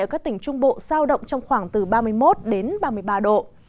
ở các tỉnh trung bộ sao động trong khoảng từ ba mươi một đến ba mươi ba độ